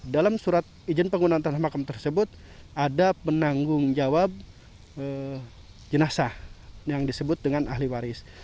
dalam surat izin penggunaan tanah makam tersebut ada penanggung jawab jenazah yang disebut dengan ahli waris